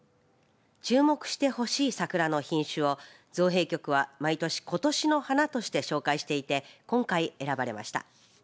注目してほしい桜の品種を造幣局は毎年、今年の花として紹介していて今回選ばれました。